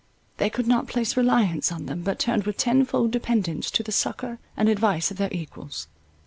They could not place reliance on them, but turned with tenfold dependence to the succour and advice of their equals.